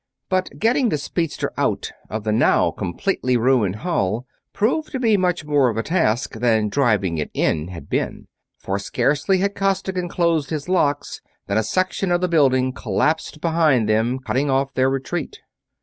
But getting the speedster out of the now completely ruined hall proved to be much more of a task than driving it in had been, for scarcely had Costigan closed his locks than a section of the building collapsed behind them, cutting off their retreat.